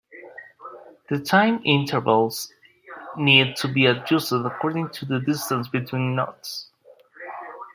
The time interval needs to be adjusted according to the distance between knots.